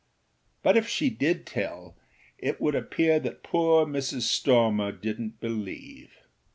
But if she did tell, it would appear that poor Mrs. Stormer didnât believe.